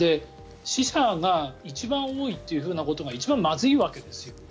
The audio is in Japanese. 死者が一番多いということが一番まずいわけですよ。